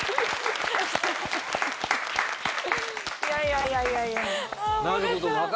いやいやいやいや。